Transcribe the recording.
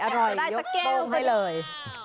อร่อยยกโป้งให้เลย